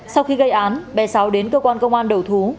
sau khi gây án bé sáu đến cơ quan công an đầu thú